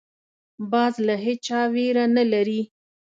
باز له هېچا ویره نه لري